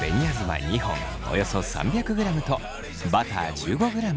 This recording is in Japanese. およそ３００ｇとバター１５ｇ。